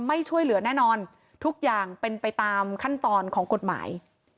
ไม่ช่วยเหลือแน่นอนทุกอย่างเป็นไปตามขั้นตอนของกฎหมาย